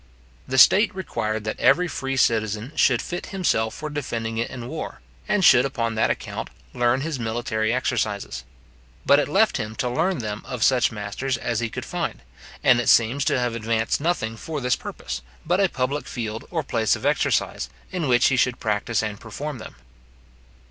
The state required that every free citizen should fit himself for defending it in war, and should upon that account, learn his military exercises. But it left him to learn them of such masters as he could find; and it seems to have advanced nothing for this purpose, but a public field or place of exercise, in which he should practise and perform them.